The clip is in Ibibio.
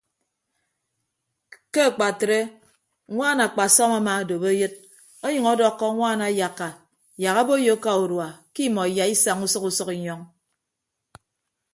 Ke akpatre ñwaan akpasọm amaadop eyịd ọnyʌñ ọdọkkọ ñwaan ayakka yak aboiyo aka urua ke imọ iyaisaña usʌk usʌk inyọñ.